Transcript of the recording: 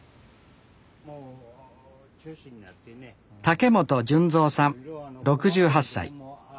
竹本純三さん６８歳。